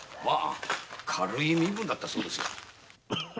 軽い身分だったそうです。